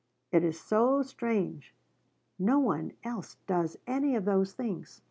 It is so strange no one else does any of those things.